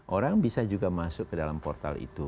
orang bisa juga masuk ke dalam portal itu